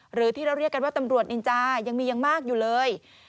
หรือที่เราเรียกกันว่าตำรวจนินจายังมียังมากอยู่เลย